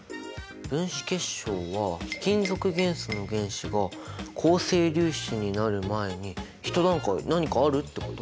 分子結晶は非金属元素の原子が構成粒子になる前にひと段階何かあるってこと！？